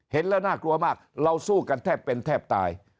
เห็นแล้วน่ากลัวมากเราสู้กันแทบเป็นแทบตาย